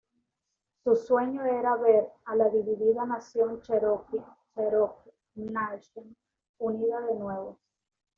Su sueño era ver a la dividida nación cheroqui Cherokee Nation unida de nuevo.